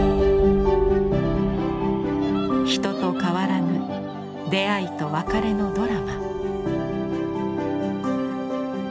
人と変わらぬ出会いと別れのドラマ。